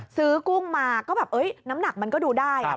กุ้งมาก็แบบน้ำหนักมันก็ดูได้